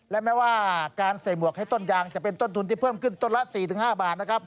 และแม้ว่าการใส่หมวกให้ต้นยางจะเป็นต้นทุนที่เพิ่มขึ้นต้นละ๔๕บาทนะครับ